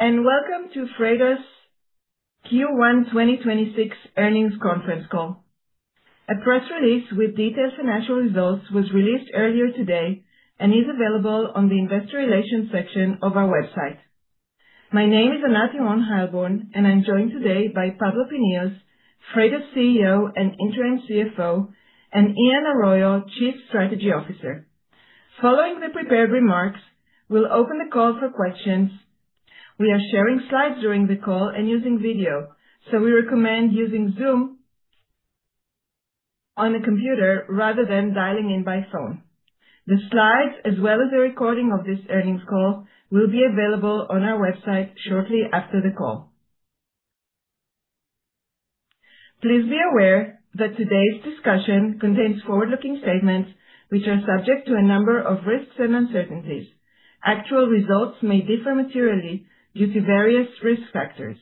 Hello, welcome to Freightos Q1 2026 earnings conference call. A press release with details and financial results was released earlier today and is available on the Investor Relations section of our website. My name is Anat Earon-Heilborn, and I'm joined today by Pablo Pinillos, Freightos CEO and Interim CFO, and Ian Arroyo, Chief Strategy Officer. Following the prepared remarks, we'll open the call for questions. We are sharing slides during the call and using video, so we recommend using Zoom on a computer rather than dialing in by phone. The slides, as well as a recording of this earnings call, will be available on our website shortly after the call. Please be aware that today's discussion contains forward-looking statements, which are subject to a number of risks and uncertainties. Actual results may differ materially due to various risk factors.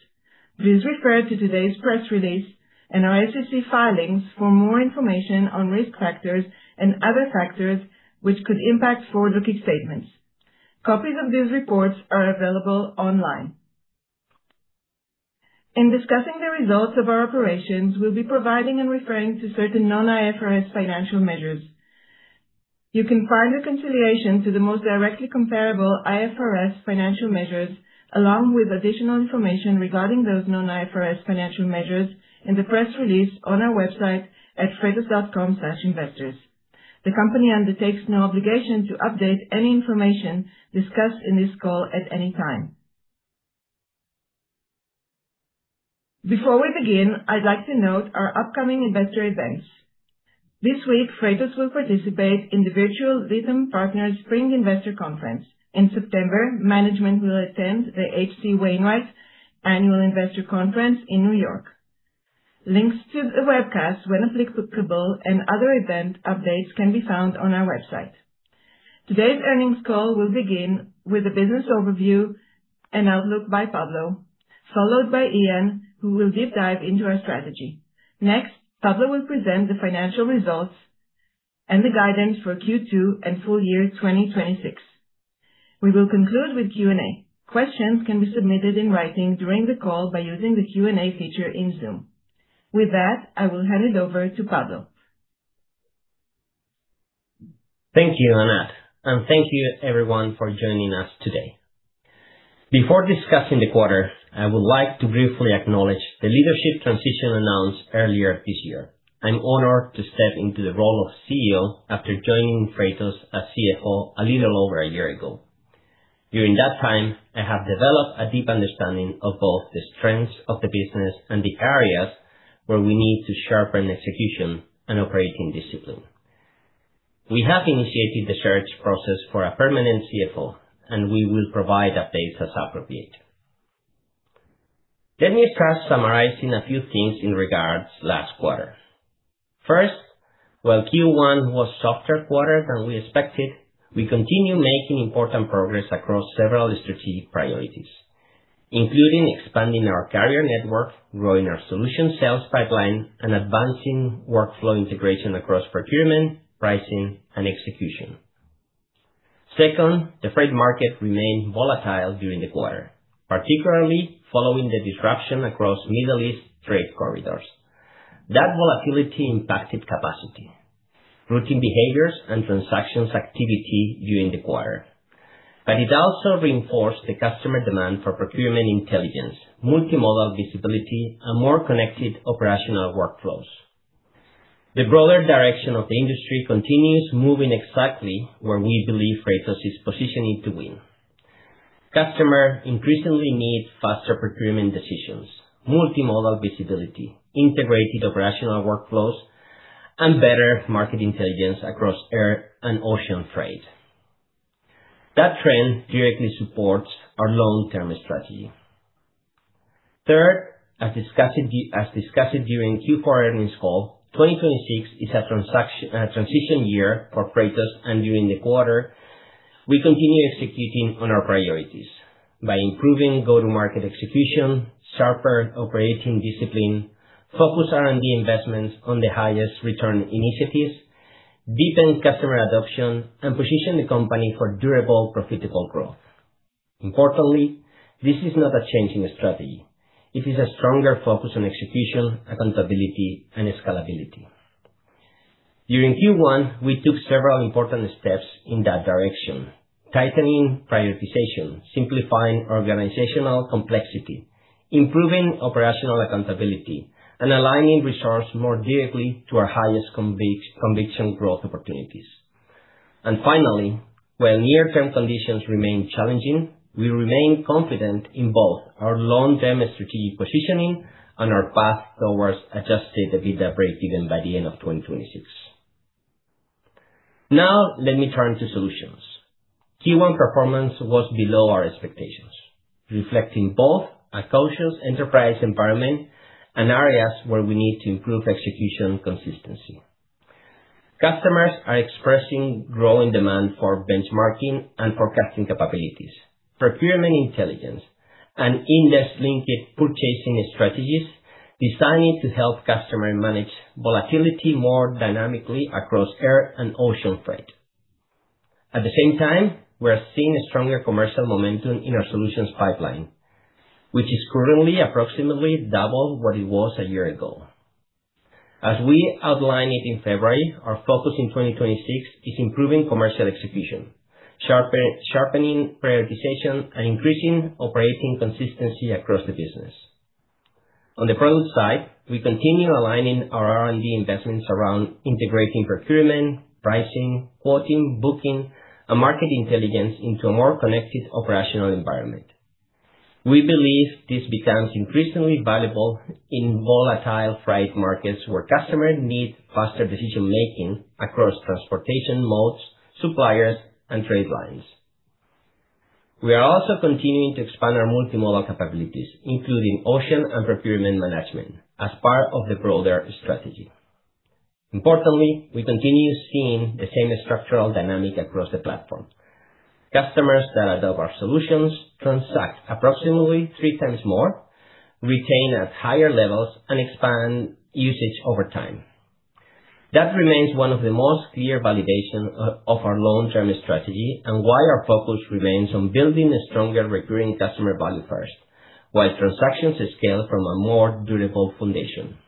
Please refer to today's press release and our SEC filings for more information on risk factors and other factors which could impact forward-looking statements. Copies of these reports are available online. In discussing the results of our operations, we'll be providing and referring to certain non-IFRS financial measures. You can find a reconciliation to the most directly comparable IFRS financial measures, along with additional information regarding those non-IFRS financial measures in the press release on our website at freightos.com/investors. The company undertakes no obligation to update any information discussed in this call at any time. Before we begin, I'd like to note our upcoming investor events. This week, Freightos will participate in the virtual Lytham Partners Spring Investor Conference. In September, management will attend the H.C. Wainwright Annual Investor Conference in New York. Links to the webcast when applicable and other event updates can be found on our website. Today's earnings call will begin with a business overview and outlook by Pablo, followed by Ian, who will deep dive into our strategy. Next, Pablo will present the financial results and the guidance for Q2 and full year 2026. We will conclude with Q&A. Questions can be submitted in writing during the call by using the Q&A feature in Zoom. With that, I will hand it over to Pablo. Thank you, Anat, and thank you everyone for joining us today. Before discussing the quarter, I would like to briefly acknowledge the leadership transition announced earlier this year. I'm honored to step into the role of CEO after joining Freightos as CFO a little over a year ago. During that time, I have developed a deep understanding of both the strengths of the business and the areas where we need to sharpen execution and operating discipline. We have initiated the search process for a permanent CFO, and we will provide updates as appropriate. Let me start summarizing a few things in regards last quarter. First, while Q1 was softer quarter than we expected, we continue making important progress across several strategic priorities, including expanding our carrier network, growing our solution sales pipeline, and advancing workflow integration across procurement, pricing, and execution. The freight market remained volatile during the quarter, particularly following the disruption across Middle East trade corridors. That volatility impacted capacity, routing behaviors, and transactions activity during the quarter. It also reinforced the customer demand for procurement intelligence, multimodal visibility, and more connected operational workflows. The broader direction of the industry continues moving exactly where we believe Freightos is positioning to win. Customer increasingly need faster procurement decisions, multimodal visibility, integrated operational workflows, and better market intelligence across air and ocean freight. That trend directly supports our long-term strategy. As discussed during Q4 earnings call, 2026 is a transition year for Freightos, and during the quarter, we continued executing on our priorities by improving go-to-market execution, sharper operating discipline, focus R&D investments on the highest return initiatives, deepen customer adoption, and position the company for durable profitable growth. Importantly, this is not a change in strategy. It is a stronger focus on execution, accountability, and scalability. During Q1, we took several important steps in that direction, tightening prioritization, simplifying organizational complexity, improving operational accountability, and aligning resource more directly to our highest conviction growth opportunities. Finally, while near-term conditions remain challenging, we remain confident in both our long-term strategic positioning and our path towards adjusted EBITDA breakeven by the end of 2026. Let me turn to solutions. Q1 performance was below our expectations, reflecting both a cautious enterprise environment and areas where we need to improve execution consistency. Customers are expressing growing demand for benchmarking and forecasting capabilities, procurement intelligence and index-linked purchasing strategies designed to help customer manage volatility more dynamically across air and ocean freight. At the same time, we are seeing a stronger commercial momentum in our solutions pipeline, which is currently approximately double what it was a year ago. As we outlined it in February, our focus in 2026 is improving commercial execution, sharpening prioritization, and increasing operating consistency across the business. On the product side, we continue aligning our R&D investments around integrating procurement, pricing, quoting, booking, and market intelligence into a more connected operational environment. We believe this becomes increasingly valuable in volatile freight markets where customers need faster decision-making across transportation modes, suppliers, and trade lines. We are also continuing to expand our multimodal capabilities, including ocean and procurement management as part of the broader strategy. Importantly, we continue seeing the same structural dynamic across the platform. Customers that adopt our solutions transact approximately three times more, retain at higher levels, and expand usage over time. That remains one of the most clear validation of our long-term strategy and why our focus remains on building a stronger recurring customer value first, while transactions scale from a more durable foundation.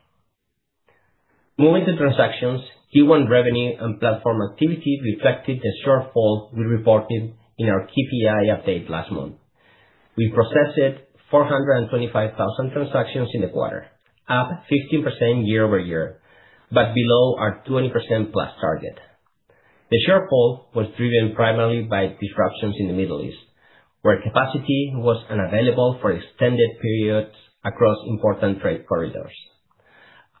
Moving to transactions, Q1 revenue and platform activity reflected the shortfall we reported in our KPI update last month. We processed 425,000 transactions in the quarter, up 15% year-over-year, but below our 20%+ target. The shortfall was driven primarily by disruptions in the Middle East, where capacity was unavailable for extended periods across important trade corridors.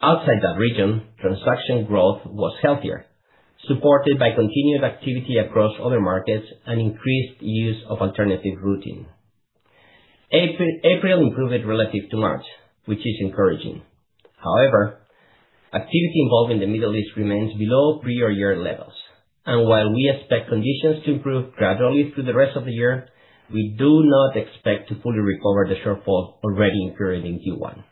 Outside that region, transaction growth was healthier, supported by continued activity across other markets and increased use of alternative routing. April improved relative to March, which is encouraging. However, activity involving the Middle East remains below pre-year levels. While we expect conditions to improve gradually through the rest of the year, we do not expect to fully recover the shortfall already incurred in Q1.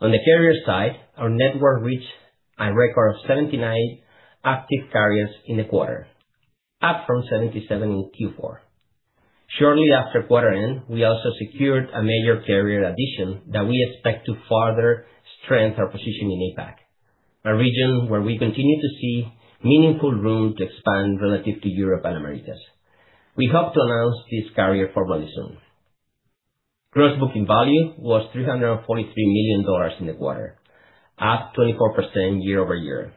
On the carrier side, our network reached a record of 79 active carriers in the quarter, up from 77 in Q4. Shortly after quarter end, we also secured a major carrier addition that we expect to further strengthen our position in APAC, a region where we continue to see meaningful room to expand relative to Europe and Americas. We hope to announce this carrier formally soon. Gross booking value was $343 million in the quarter, up 24% year-over-year.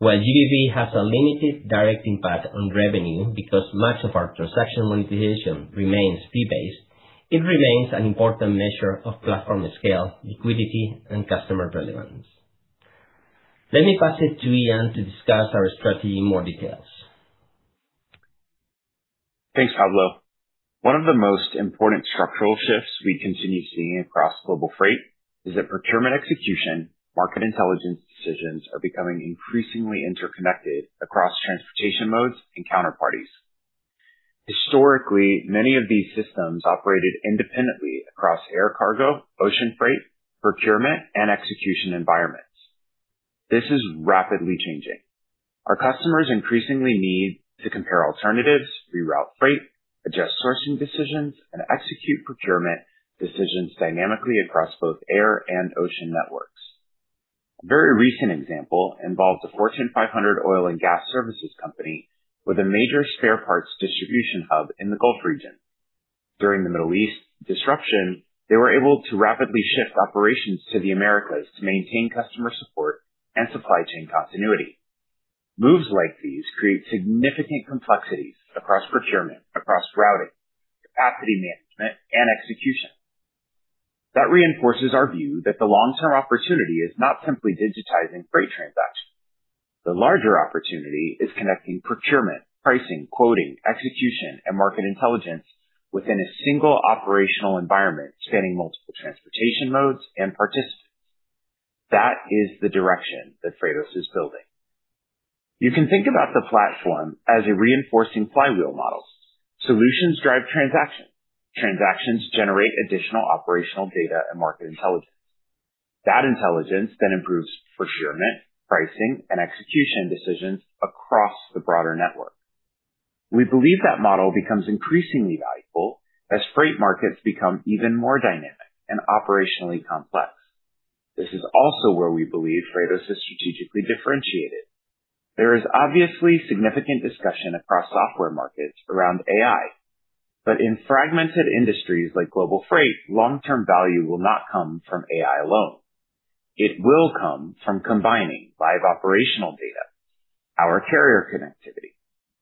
While GBV has a limited direct impact on revenue because much of our transaction monetization remains fee-based, it remains an important measure of platform scale, liquidity, and customer relevance. Let me pass it to Ian to discuss our strategy in more details. Thanks, Pablo. One of the most important structural shifts we continue seeing across global freight is that procurement execution, market intelligence decisions are becoming increasingly interconnected across transportation modes and counterparties. Historically, many of these systems operated independently across air cargo, ocean freight, procurement, and execution environments. This is rapidly changing. Our customers increasingly need to compare alternatives, reroute freight, adjust sourcing decisions, and execute procurement decisions dynamically across both air and ocean networks. A very recent example involves a Fortune 500 oil and gas services company with a major spare parts distribution hub in the Gulf region. During the Middle East disruption, they were able to rapidly shift operations to the Americas to maintain customer support and supply chain continuity. Moves like these create significant complexities across procurement, across routing, capacity management, and execution. That reinforces our view that the long-term opportunity is not simply digitizing freight transactions. The larger opportunity is connecting procurement, pricing, quoting, execution, and market intelligence within a single operational environment spanning multiple transportation modes and participants. That is the direction that Freightos is building. You can think about the platform as a reinforcing flywheel model. Solutions drive transaction. Transactions generate additional operational data and market intelligence. That intelligence then improves procurement, pricing, and execution decisions across the broader network. We believe that model becomes increasingly valuable as freight markets become even more dynamic and operationally complex. This is also where we believe Freightos is strategically differentiated. There is obviously significant discussion across software markets around AI. In fragmented industries like global freight, long-term value will not come from AI alone. It will come from combining live operational data, our carrier connectivity,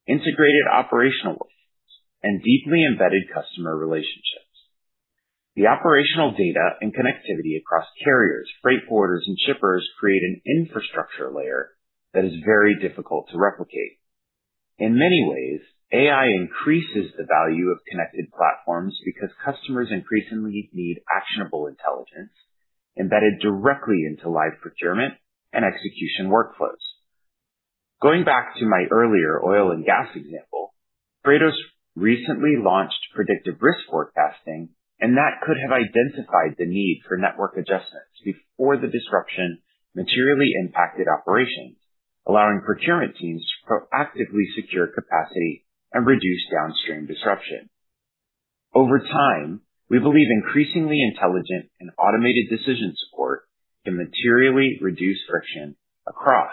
integrated operational workflows, and deeply embedded customer relationships. The operational data and connectivity across carriers, freight forwarders, and shippers create an infrastructure layer that is very difficult to replicate. In many ways, AI increases the value of connected platforms because customers increasingly need actionable intelligence embedded directly into live procurement and execution workflows. Going back to my earlier oil and gas example, Freightos recently launched predictive risk forecasting, and that could have identified the need for network adjustments before the disruption materially impacted operations, allowing procurement teams to proactively secure capacity and reduce downstream disruption. Over time, we believe increasingly intelligent and automated decision support can materially reduce friction across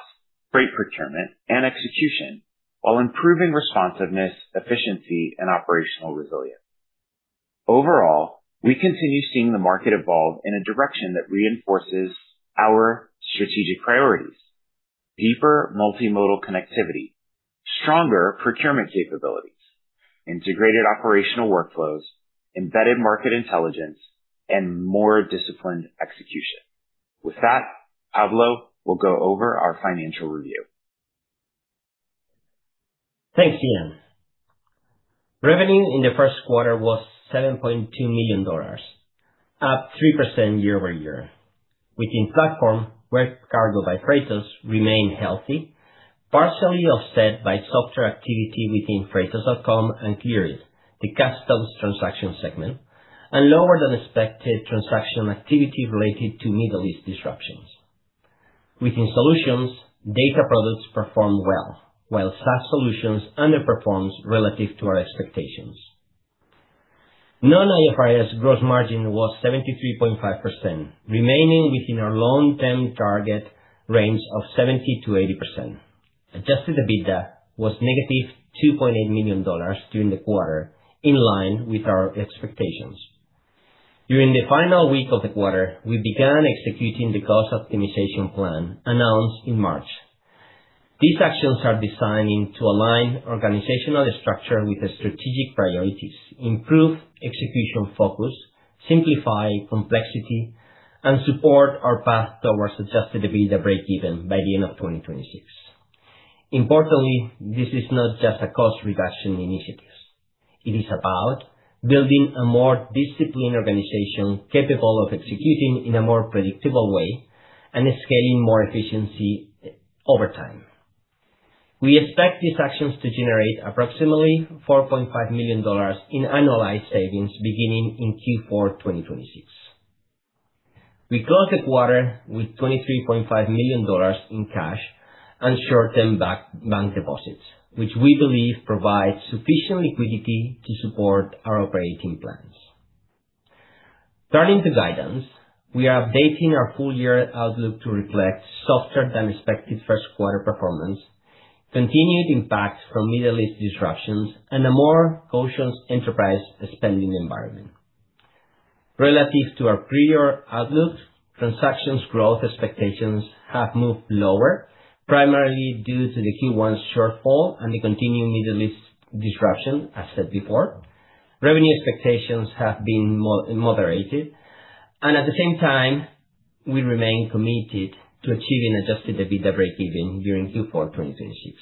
freight procurement and execution while improving responsiveness, efficiency, and operational resilience. Overall, we continue seeing the market evolve in a direction that reinforces our strategic priorities: deeper multimodal connectivity, stronger procurement capabilities, integrated operational workflows, embedded market intelligence, and more disciplined execution. With that, Pablo will go over our financial review. Thanks, Ian. Revenue in the first quarter was $7.2 million, up 3% year-over-year. Within platform, WebCargo by Freightos remained healthy, partially offset by softer activity within freightos.com and Clearit, the customs transaction segment, and lower than expected transaction activity related to Middle East disruptions. Within solutions, data products performed well, while SaaS solutions underperformed relative to our expectations. non-IFRS gross margin was 73.5%, remaining within our long-term target range of 70%-80%. Adjusted EBITDA was negative $2.8 million during the quarter, in line with our expectations. During the final week of the quarter, we began executing the cost optimization plan announced in March. These actions are designed to align organizational structure with the strategic priorities, improve execution focus, simplify complexity, and support our path towards adjusted EBITDA breakeven by the end of 2026. Importantly, this is not just a cost reduction initiative. It is about building a more disciplined organization capable of executing in a more predictable way and scaling more efficiency over time. We expect these actions to generate approximately $4.5 million in annualized savings beginning in Q4 2026. We closed the quarter with $23.5 million in cash and short-term bank deposits, which we believe provides sufficient liquidity to support our operating plans. Turning to guidance, we are updating our full-year outlook to reflect softer than expected first quarter performance, continued impacts from Middle East disruptions, and a more cautious enterprise spending environment. Relative to our prior outlook, transactions growth expectations have moved lower, primarily due to the Q1 shortfall and the continuing Middle East disruption, as said before. Revenue expectations have been moderated and at the same time, we remain committed to achieving adjusted EBITDA breakeven during Q4 2026.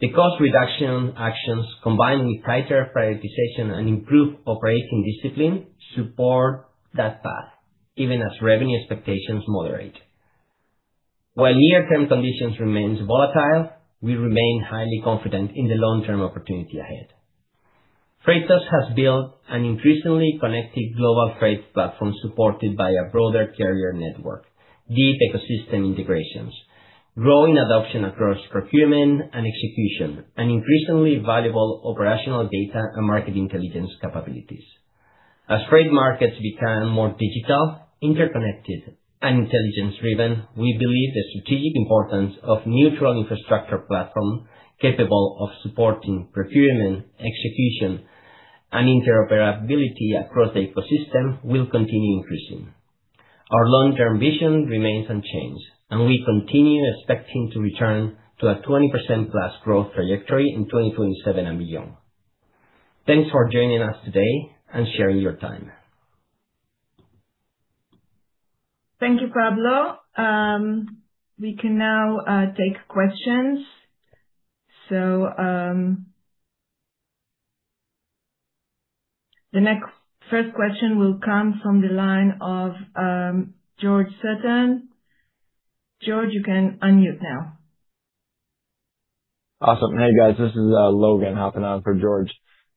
The cost reduction actions, combined with tighter prioritization and improved operating discipline, support that path even as revenue expectations moderate. While near-term conditions remains volatile, we remain highly confident in the long-term opportunity ahead. Freightos has built an increasingly connected global freight platform supported by a broader carrier network, deep ecosystem integrations, growing adoption across procurement and execution, and increasingly valuable operational data and market intelligence capabilities. As freight markets become more digital, interconnected, and intelligence driven, we believe the strategic importance of neutral infrastructure platform capable of supporting procurement, execution, and interoperability across the ecosystem will continue increasing. Our long-term vision remains unchanged, and we continue expecting to return to a 20%+ growth trajectory in 2027 and beyond. Thanks for joining us today and sharing your time. Thank you, Pablo. We can now take questions. The first question will come from the line of George Sutton. George, you can unmute now. Awesome. Hey, guys. This is Logan hopping on for George.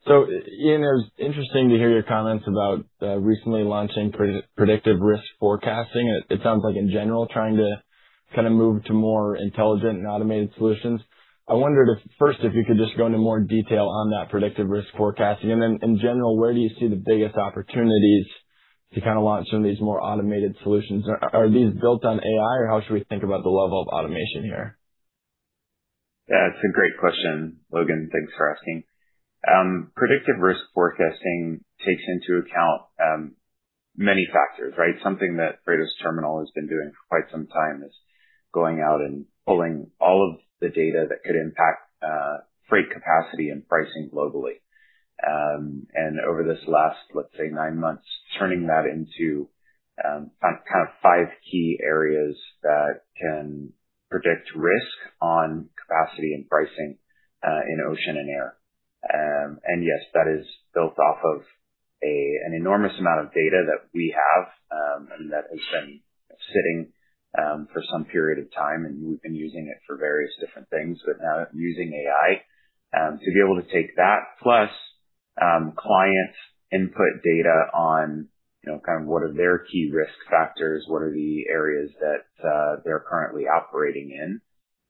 Ian, it was interesting to hear your comments about recently launching predictive risk forecasting. It sounds like in general, trying to kind of move to more intelligent and automated solutions. I wondered if, first, if you could just go into more detail on that predictive risk forecasting and then in general, where do you see the biggest opportunities to kind of launch some of these more automated solutions? Are these built on AI or how should we think about the level of automation here? It's a great question, Logan. Thanks for asking. Predictive risk forecasting takes into account many factors, right? Something that Freightos Terminal has been doing for quite some time is going out and pulling all of the data that could impact freight capacity and pricing globally. Over this last, let's say, nine months, turning that into kind of five key areas that can predict risk on capacity and pricing, in ocean and air. Yes, that is built off of an enormous amount of data that we have, and that has been sitting for some period of time, and we've been using it for various different things. Now using AI to be able to take that plus clients' input data on what are their key risk factors, what are the areas that they're currently operating in,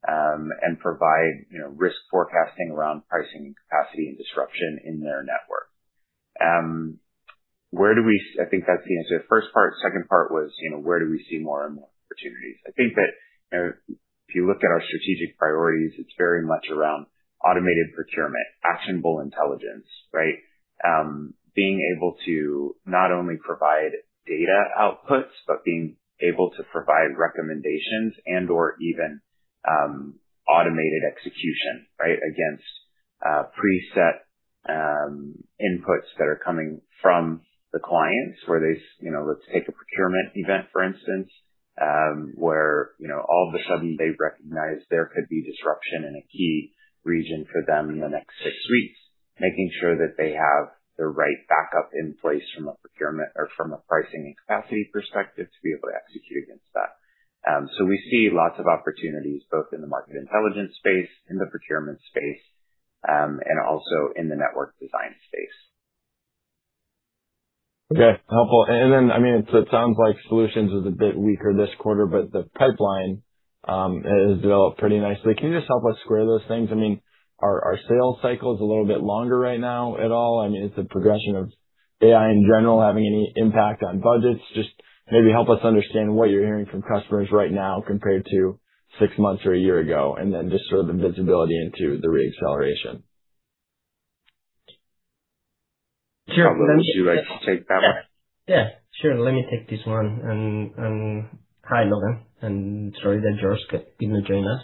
and provide risk forecasting around pricing, capacity, and disruption in their network. I think that's the answer to the first part. Second part was, where do we see more and more opportunities? I think that if you look at our strategic priorities, it's very much around automated procurement, actionable intelligence, right? Being able to not only provide data outputs, but being able to provide recommendations and/or even automated execution, right? Against preset inputs that are coming from the clients. Let's take a procurement event, for instance, where all of a sudden they recognize there could be disruption in a key region for them in the next six weeks, making sure that they have the right backup in place from a procurement or from a pricing and capacity perspective to be able to execute against that. We see lots of opportunities both in the market intelligence space, in the procurement space, and also in the network design space. Okay. Helpful. It sounds like solutions is a bit weaker this quarter, but the pipeline has developed pretty nicely. Can you just help us square those things? Are sales cycles a little bit longer right now at all? Is the progression of AI in general having any impact on budgets? Just maybe help us understand what you're hearing from customers right now compared to six months or a year ago, and then just sort of the visibility into the re-acceleration. Sure. Would you like to take that one? Yeah. Sure. Let me take this one. Hi, Logan, and sorry that George could not join us.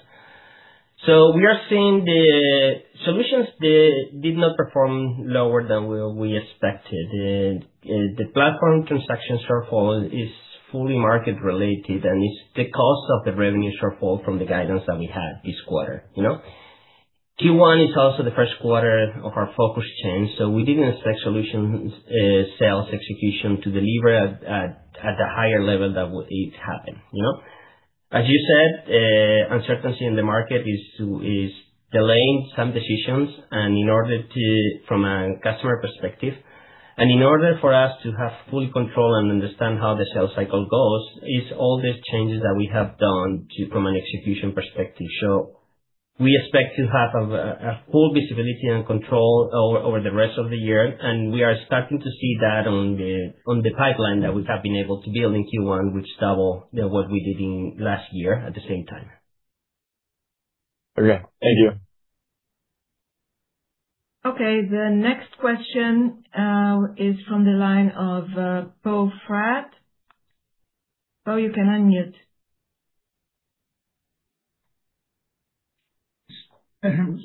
We are seeing the solutions did not perform lower than we expected. The platform transaction shortfall is fully market-related, and it's the cost of the revenue shortfall from the guidance that we had this quarter. Q1 is also the first quarter of our focus change, so we didn't expect solutions sales execution to deliver at the higher level that it happened. As you said, uncertainty in the market is delaying some decisions from a customer perspective. In order for us to have full control and understand how the sales cycle goes is all the changes that we have done from an execution perspective. We expect to have full visibility and control over the rest of the year, and we are starting to see that on the pipeline that we have been able to build in Q1, which double what we did in last year at the same time. Okay. Thank you. Okay. The next question is from the line of [Bo Frat]. Bo, you can unmute.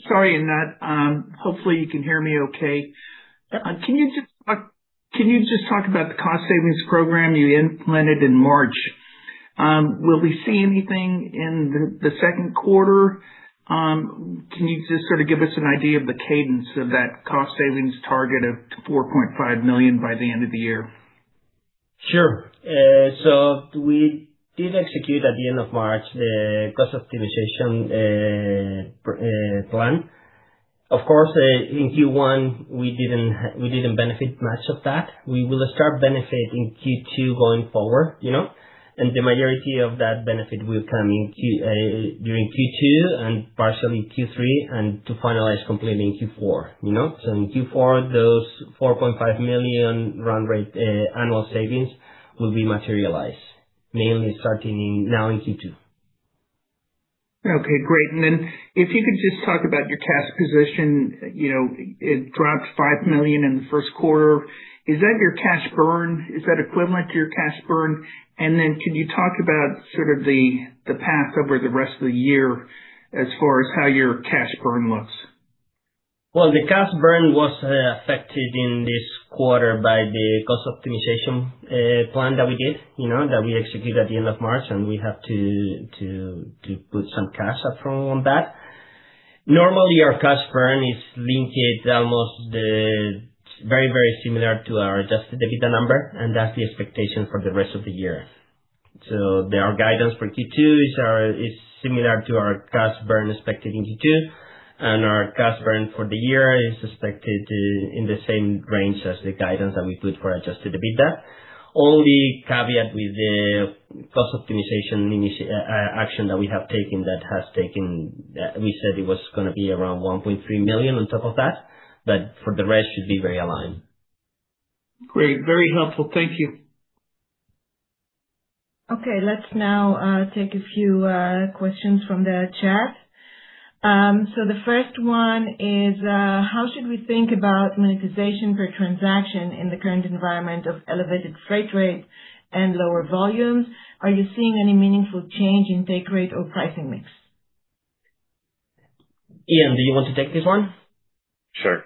Sorry about that. Hopefully, you can hear me okay. Can you just talk about the cost savings program you implemented in March? Will we see anything in the second quarter? Can you just sort of give us an idea of the cadence of that cost savings target of $4.5 million by the end of the year? Sure. We did execute at the end of March, the cost optimization plan. Of course, in Q1 we didn't benefit much of that. We will start benefiting Q2 going forward. The majority of that benefit will come during Q2 and partially Q3, and to finalize completely in Q4. In Q4, those $4.5 million run rate annual savings will be materialized, mainly starting now in Q2. Okay, great. If you could just talk about your cash position. It dropped $5 million in the first quarter. Is that your cash burn? Is that equivalent to your cash burn? Could you talk about sort of the path over the rest of the year as far as how your cash burn looks? Well, the cash burn was affected in this quarter by the cost optimization plan that we did, that we executed at the end of March. We have to put some cash up front on that. Normally, our cash burn is linked almost very similar to our adjusted EBITDA number. That's the expectation for the rest of the year. Our guidance for Q2 is similar to our cash burn expected in Q2. Our cash burn for the year is expected in the same range as the guidance that we put for adjusted EBITDA. Only caveat with the cost optimization action that we have taken. We said it was going to be around $1.3 million on top of that. For the rest, should be very aligned. Great. Very helpful. Thank you. Okay. Let's now take a few questions from the chat. The first one is, how should we think about monetization per transaction in the current environment of elevated freight rates and lower volumes? Are you seeing any meaningful change in take rate or pricing mix? Ian, do you want to take this one? Sure.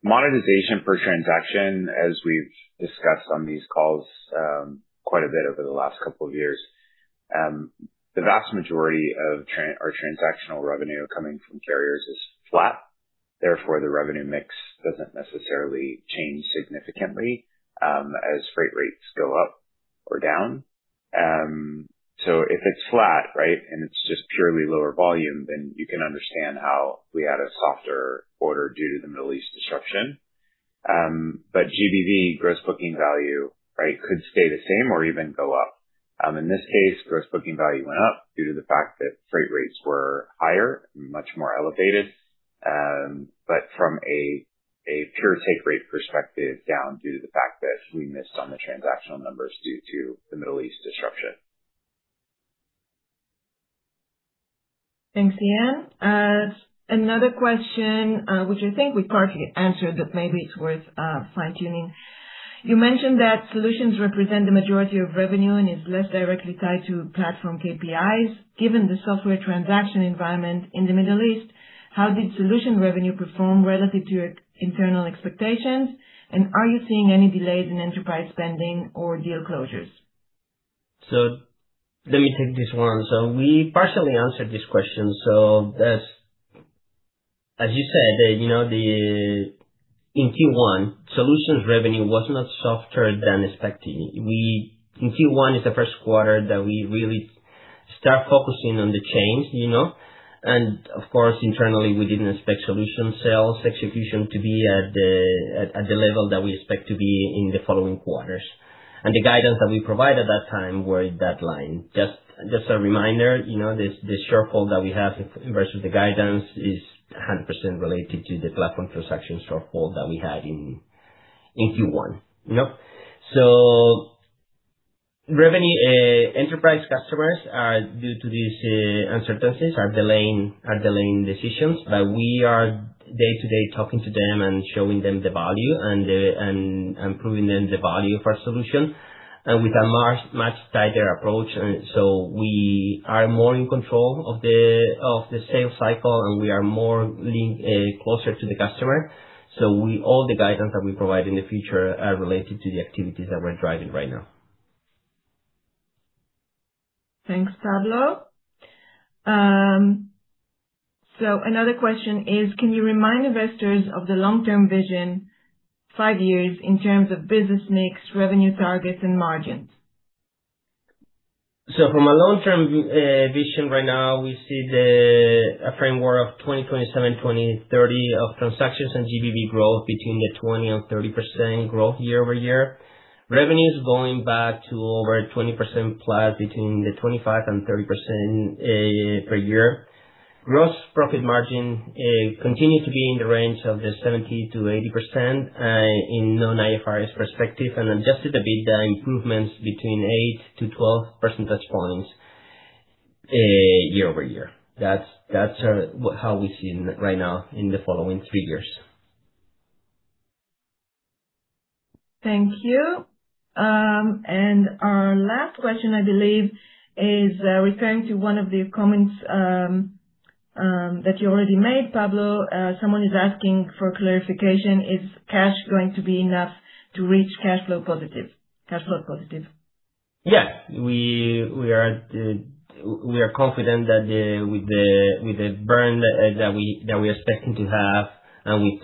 Monetization per transaction, as we've discussed on these calls quite a bit over the last couple of years. The vast majority of our transactional revenue coming from carriers is flat. The revenue mix doesn't necessarily change significantly as freight rates go up or down. If it's flat, and it's just purely lower volume, then you can understand how we had a softer quarter due to the Middle East disruption. GBV, gross booking value could stay the same or even go up. In this case, gross booking value went up due to the fact that freight rates were higher and much more elevated. From a pure take rate perspective, down due to the fact that we missed on the transactional numbers due to the Middle East disruption. Thanks, Ian. Another question, which I think we partly answered, but maybe it's worth fine-tuning. You mentioned that solutions represent the majority of revenue and is less directly tied to platform KPIs. Given the software transaction environment in the Middle East, how did solution revenue perform relative to your internal expectations? Are you seeing any delays in enterprise spending or deal closures? Let me take this one. We partially answered this question. As you said, in Q1, solutions revenue was much softer than expected. Q1 is the first quarter that we really start focusing on the change. Of course, internally, we didn't expect solution sales execution to be at the level that we expect to be in the following quarters. The guidance that we provided that time was that line. Just a reminder, the shortfall that we have versus the guidance is 100% related to the platform transaction shortfall that we had in Q1. Enterprise customers, due to these uncertainties, are delaying decisions, but we are day-to-day talking to them and showing them the value and proving them the value of our solution, and with a much tighter approach. We are more in control of the sales cycle, and we are more closer to the customer. All the guidance that we provide in the future are related to the activities that we're driving right now. Thanks, Pablo. Another question is, can you remind investors of the long-term vision, five years in terms of business mix, revenue targets, and margins? From a long-term vision right now, we see a framework of 2027, 2030 of transactions and GBV growth between the 20% and 30% growth year-over-year. Revenues going back to over 20% plus between the 25% and 30% per year. Gross profit margin continues to be in the range of the 70% to 80% in non-IFRS perspective, and adjusted EBITDA improvements between 8-12 percentage points year-over-year. That's how we see right now in the following three years. Thank you. Our last question, I believe, is referring to one of the comments that you already made, Pablo. Someone is asking for clarification, is cash going to be enough to reach cash flow positive? We are confident that with the burn that we're expecting to have and with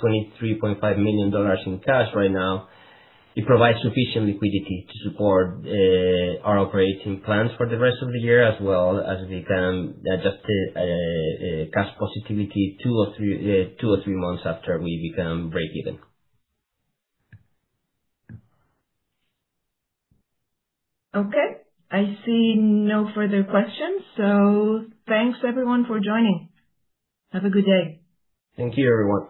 $23.5 million in cash right now, it provides sufficient liquidity to support our operating plans for the rest of the year, as well as become adjusted cash positivity two or three months after we become breakeven. Okay. I see no further questions. Thanks everyone for joining. Have a good day. Thank you, everyone.